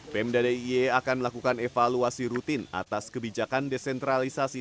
pemda d i e akan melakukan evaluasi rutin atas kebijakan desentralisasi